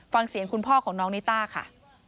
ฟังเสียงคุณพ่อของน้องนิต้าค่ะ